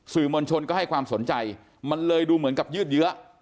สื่อมวลชนก็ให้ความสนใจมันเลยดูเหมือนกับยืดเยอะ